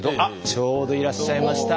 ちょうどいらっしゃいました！